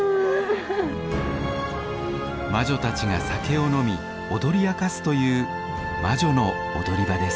魔女たちが酒を飲み踊り明かすという魔女の踊り場です。